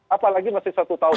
apalagi masih satu tahun